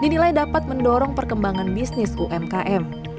dinilai dapat mendorong perkembangan bisnis umkm